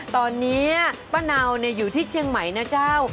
ตอนนี้ป้าเนาอยู่ที่เชียงใหม่นะเจ้า